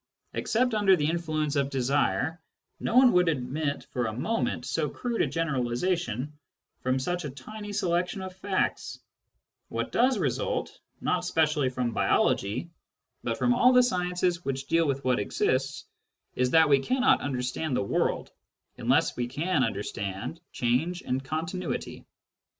Except under the influence of desire, no one would Digitized by Google 1 6 SCIENTIFIC METHOD IN PHILOSOPHY admit for a moment so crude a generalisation from such a tiny selection of facts. What does result, not specially from biology, but from all the sciences which deal with what exists, is that we cannot understand the world unless we can understand change and continuity.